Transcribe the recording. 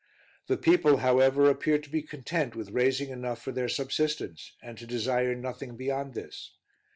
The people, however, appeared to be content with raising enough for their subsistence, and to desire nothing beyond this.